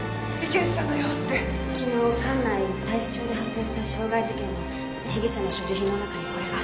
昨日管内太子町で発生した傷害事件の被疑者の所持品の中にこれが。